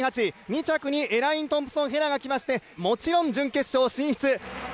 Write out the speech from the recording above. ２着にエライン・トンプソン・ヘラが来まして、もちろん準決勝進出。